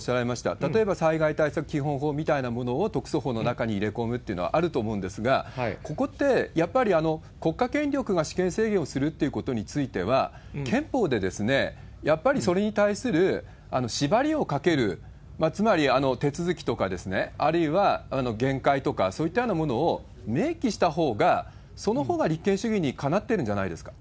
例えば災害対策基本法みたいなものを特措法の中に入れ込むっていうのはあると思うんですが、ここってやっぱり、国家権力が私権制限をするっていうことについては、憲法でやっぱりそれに対する縛りをかける、つまり手続きとか、あるいは限界とか、そういったようなものを明記したほうが、そのほうが立憲主義にかなってるんじゃないですか？